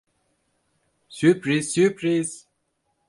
Sürpriz, sürpriz.